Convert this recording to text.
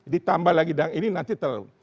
ditambah lagi dengan ini nanti terlalu